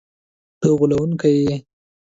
ته غولونکی یې!”